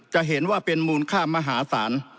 จะเห็นว่าเป็นมูลค่ามหาศาล